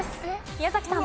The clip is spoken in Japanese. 宮崎さん。